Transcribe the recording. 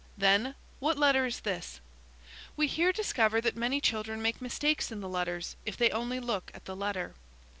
Then, 'What letter is this?' We here discover that many children make mistakes in the letters if they only look at the letter.